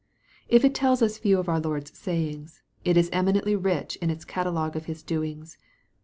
If it tells us few of our Lord's sayings, it is eminently rich in its catalogue of His doings.